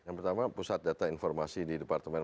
yang pertama pusat data informasi di departemen